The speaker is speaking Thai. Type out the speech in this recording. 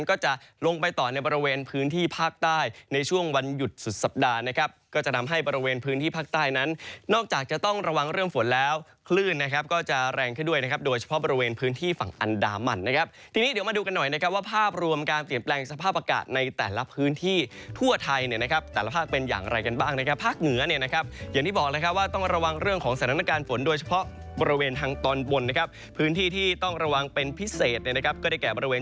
ก็จะลงไปต่อในบริเวณพื้นที่ภาคใต้ในช่วงวันหยุดสุดสัปดาห์นะครับก็จะทำให้บริเวณพื้นที่ภาคใต้นั้นนอกจากจะต้องระวังเรื่องฝนแล้วคลื่นนะครับก็จะแรงขึ้นด้วยนะครับโดยเฉพาะบริเวณพื้นที่ฝั่งอันดามันนะครับทีนี้เดี๋ยวมาดูกันหน่อยนะครับว่าภาพรวมการเปลี่ยนแปลงสภาพอากา